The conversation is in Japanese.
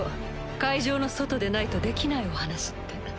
会場の外でないとできないお話って。